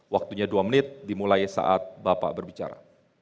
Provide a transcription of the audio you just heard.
waktunya dua menit dimulai saat bapak berbicara